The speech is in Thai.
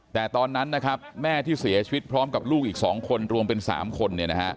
แต่ตอนนั้นนะครับแม่ที่เสียชีวิตพร้อมกับลูกอีก๒คนรวมเป็น๓คน